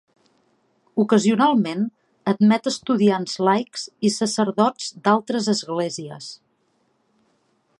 Ocasionalment admet estudiants laics i sacerdots d'altres esglésies.